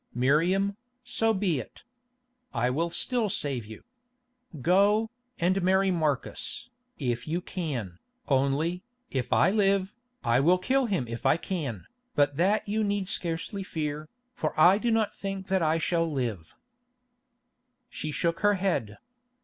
"Miriam, so be it. I will still save you. Go, and marry Marcus, if you can, only, if I live, I will kill him if I can, but that you need scarcely fear, for I do not think that I shall live." She shook her head.